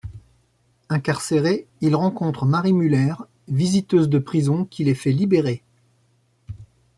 Incarcérés, ils rencontrent Marie Müller, visiteuse de prison, qui les fait libérer.